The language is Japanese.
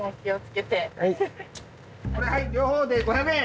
これはい両方で５００円。